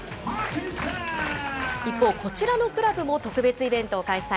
一方、こちらのクラブも特別イベントを開催。